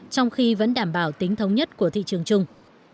trong khi vẫn đảm bảo tính thống nhất của thị trường chung